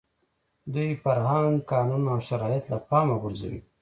دوی فرهنګ، قانون او شرایط له پامه غورځوي.